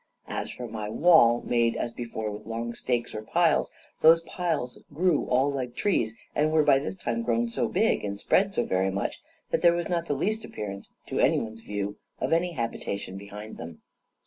As for my wall, made, as before, with long stakes or piles, those piles grew all like trees, and were by this time grown so big, and spread so very much, that there was not the least appearance, to any one's view, of any habitation behind them.